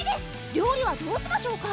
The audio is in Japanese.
料理はどうしましょうか？